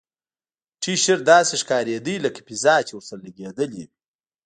ټي شرټ داسې ښکاریده لکه پیزا چې ورسره لګیدلې وي